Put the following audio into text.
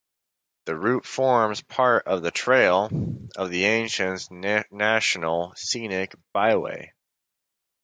The route forms part of the Trail of the Ancients National Scenic Byway.